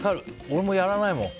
俺もやらないもん。